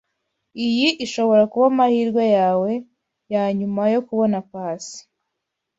Iyi ishobora kuba amahirwe yawe yanyuma yo kubona Pacy.